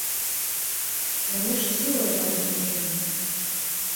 Яны ж сілай там служылі.